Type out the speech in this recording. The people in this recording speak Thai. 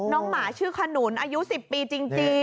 หมาชื่อขนุนอายุ๑๐ปีจริง